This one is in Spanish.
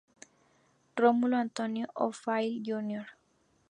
Rómulo Antonio O'Farrill, Jr.